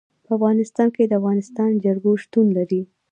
په افغانستان کې د افغانستان جلکو شتون لري.